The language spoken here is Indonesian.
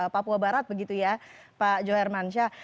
papua barat begitu ya pak johar mansyah